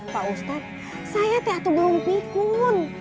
pak ustadz saya itu belum pikun